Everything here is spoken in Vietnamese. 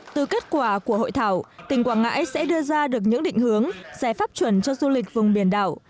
từ kết quả của hội thảo tỉnh quảng ngãi sẽ đưa ra được những định hướng giải pháp chuẩn cho du lịch vùng biển đảo